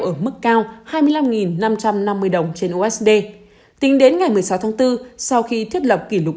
ở mức cao hai mươi năm năm trăm năm mươi đồng trên usd tính đến ngày một mươi sáu tháng bốn sau khi thiết lập kỷ lục